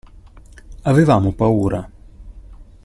Avevamo paura.